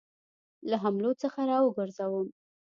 له حملو څخه را وګرځوم.